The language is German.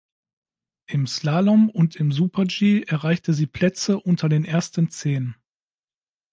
Im Slalom und im Super-G erreichte sie Plätze unter den ersten Zehn.